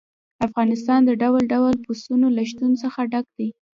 افغانستان د ډول ډول پسونو له شتون څخه ډک دی.